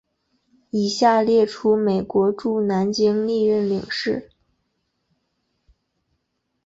以下列出美国驻南京历任领事。